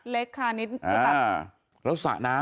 เล็กค่ะนิดนึงค่ะ